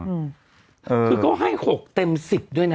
คือเขาให้๖เต็ม๑๐ด้วยนะ